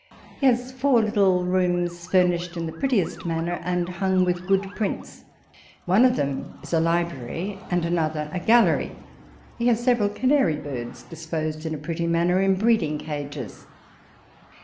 He has four little rooms, furnished in the prettiest manner, and hung with good prints. One of them is a library, and another a gallery. He has several canary birds disposed in a pretty manner in breeding cages.